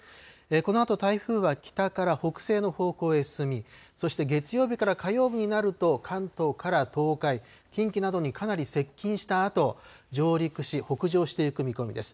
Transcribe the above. このあと台風は北から北西の方向へ進み、そして月曜日から火曜日になると、関東から東海、近畿などにかなり接近したあと、上陸し、北上していく見込みです。